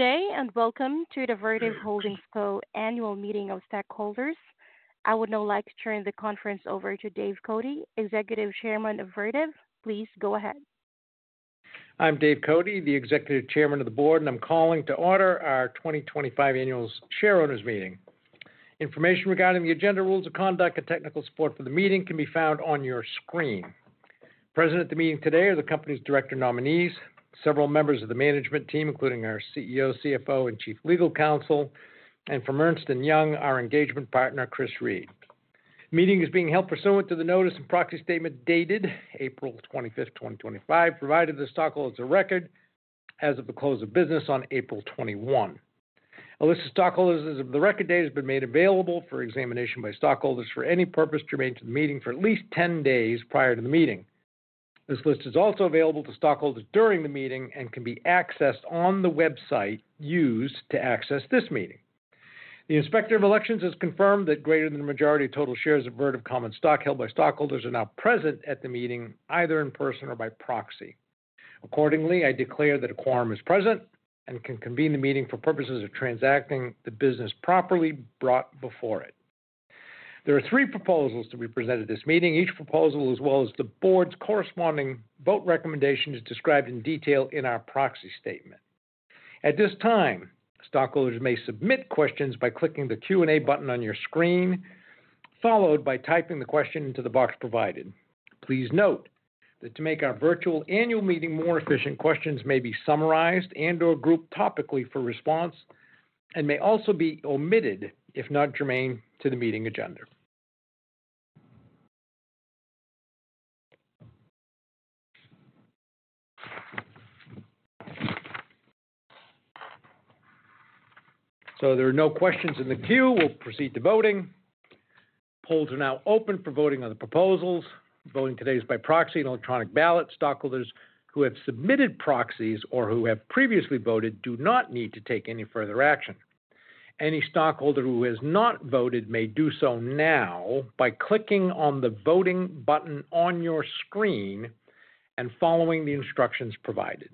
Good day and welcome to the Vertiv Holdings Co annual meeting of stakeholders. I would now like to turn the conference over to Dave Cote, Executive Chairman of Vertiv. Please go ahead. I'm Dave Cote, the Executive Chairman of the board and I'm calling to order our 2025 annual shareowners meeting. Information regarding the agenda, rules of conduct and technical support for the meeting can be found on your screen. Present at the meeting today are the company's director nominees, several members of the management team, including our CEO, CFO and Chief Legal Counsel, and from Ernst & Young, our engagement partner, Chris Reed. Meeting is being held pursuant to the notice and proxy statement dated April 25, 2025 provided to the stockholders of record as of the close of business on April 21, eligible stockholders of record. Date has been made available for examination by stockholders for any purpose to remain to the meeting for at least 10 days prior to the meeting. This list is also available to stockholders during the meeting and can be accessed on the website used to access this meeting. The Inspector of Elections has confirmed that greater than the majority of total shares of Vertiv common stock held by stockholders are now present at the meeting, either in person or by proxy. Accordingly, I declare that a quorum is present and can convene the meeting for purposes of transacting the business properly brought before it. There are three proposals to be presented at this meeting. Each proposal, as well as the board's corresponding vote recommendation, is described in detail in our proxy statement. At this time, stockholders may submit questions by clicking the Q&A button on your screen, followed by typing the question into the box provided. Please note that to make our virtual annual meeting more efficient, questions may be summarized and or grouped topically for response and may also be omitted, if not germane to the meeting agenda. If there are no questions in the queue, we'll proceed to voting. Polls are now open for voting on the proposals. Voting today is by proxy and electronic ballot. Stockholders who have submitted proxies or who have previously voted do not need to take any further action. Any stockholder who has not voted may do so now by clicking on the voting button on your screen and following the instructions provided.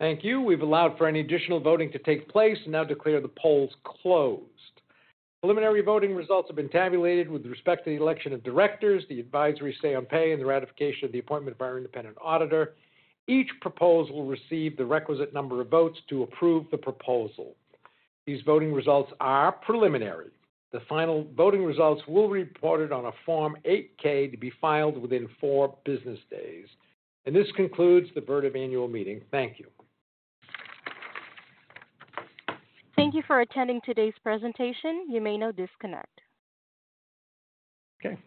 Thank you. We've allowed for any additional voting to take place. I now declare the polls closed. Preliminary voting results have been tabulated with respect to the election of directors, the advisory stay on pay, and the ratification of the appointment of our independent auditor. Each proposal received the requisite number of votes to approve the proposal. These voting results are preliminary. The final voting results will be reported on a Form 8-K, to be filed within four business days. This concludes the Vertiv annual meeting. Thank you. Thank you for attending today's presentation. You may now disconnect. Okay.